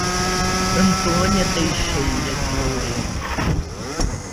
Antônia Texeira de Louredo